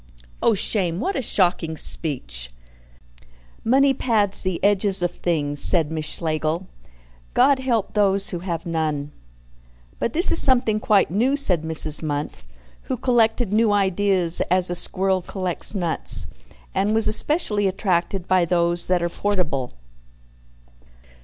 "Oh, shame! What a shocking speech!" "Money pads the edges of things," said Miss Schlegel. "God help those who have none." "But this is something quite new!" said Mrs. Munt, who collected new ideas as a squirrel collects nuts, and was especially attracted by those that are portable.